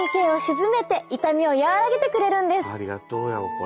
ありがとうやわこれ。